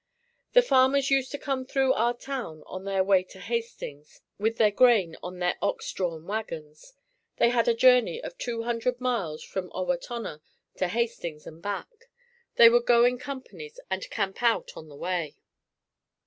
The farmers used to come through our town on their way to Hastings with their grain on their ox drawn wagons. They had a journey of two hundred miles from Owatonna to Hastings and back. They would go in companies and camp out on the way.